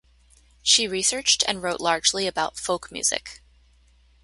She researched and wrote largely about folk music.